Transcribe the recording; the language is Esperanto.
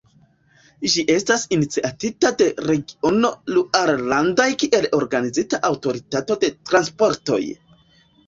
Ĝi estas iniciatita de regiono Luarlandoj kiel organiza aŭtoritato de transportoj.